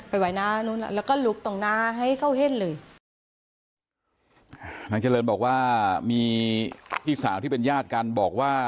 ไว้หน้านู้นแล้วก็ลุกตรงหน้าให้เขาเห็นเลยนางเจริญบอกว่ามีพี่สาวที่เป็นญาติกันบอกว่า